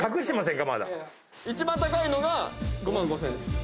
一番高いのが５万５０００円ですか？